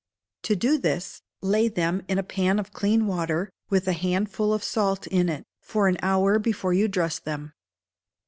To do this, lay them in a pan of clean water, with a handful of salt in it, for an hour before you dress them.